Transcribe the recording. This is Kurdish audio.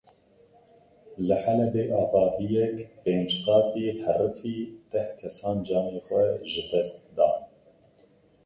Li Helebê avahiyek pênc qatî herifî deh kesan canê xwe ji dest dan.